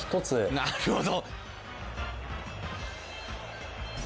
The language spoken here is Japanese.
なるほど。